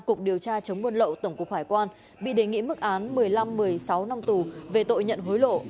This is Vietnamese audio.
cục điều tra chống buôn lậu tổng cục hải quan bị đề nghị mức án một mươi năm một mươi sáu năm tù về tội nhận hối lộ